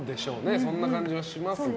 そんな感じはしますが。